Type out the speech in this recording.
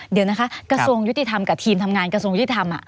เดี๋ยวนะคะกระทรวงยุติธรรมกับทีมทำงานกระทรวงยุติธรรม